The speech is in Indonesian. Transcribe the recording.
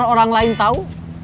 kan orang lain tau